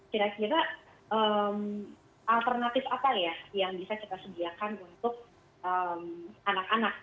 kira kira alternatif apa ya yang bisa kita sediakan untuk anak anak